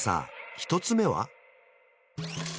１つ目は？